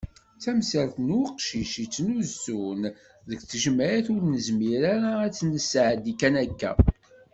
Tamsalt n uqcic yettnusun deg tejmaɛt ur nezmir ara ad tt-nesɛeddi kan akka.